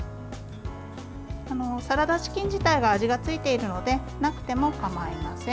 サラダチキン自体が味がついているのでなくてもかまいません。